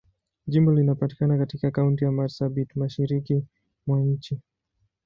Jimbo linapatikana katika Kaunti ya Marsabit, Mashariki mwa nchi.